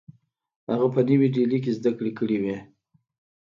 هغه په نوې ډیلي کې زدکړې کړې وې